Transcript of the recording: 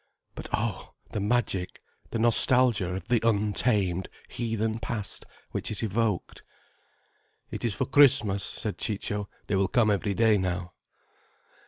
But oh, the magic, the nostalgia of the untamed, heathen past which it evoked. "It is for Christmas," said Ciccio. "They will come every day now."